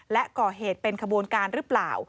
และก่อเหตุเป็นขบวนการหรือเปล่า